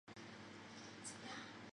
在佛律癸亚或吕底亚出生。